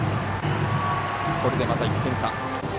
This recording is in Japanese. これでまた１点差。